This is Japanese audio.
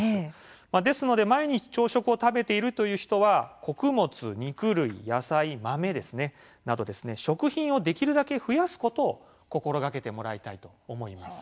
ですので毎日朝食を食べているという人は穀物、肉類、野菜、豆など食品をできるだけ増やすことを心がけてもらいたいと思います。